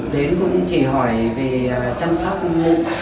đến cũng chỉ hỏi về chăm sóc mụn